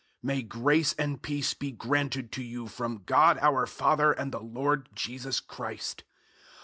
001:002 May grace and peace be granted to you from God our Father and the Lord Jesus Christ.